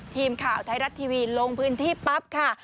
ทีมข่าวไทยรัฐทีวีลงพื้นที่ปั๊บค่ะ